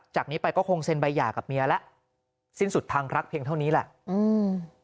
จากนี้ไปก็คงเซ็นใบหย่ากับเมียแล้วสิ้นสุดทางรักเพียงเท่านี้แหละอืม